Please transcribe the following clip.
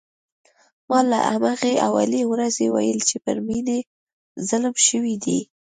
ما له همهغې اولې ورځې ویل چې پر مينې ظلم شوی دی